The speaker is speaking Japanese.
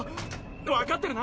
分かってるな？